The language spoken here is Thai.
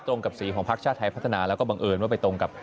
ตรงกับสีของพักชาติแข่อาทิตย์พัฒนา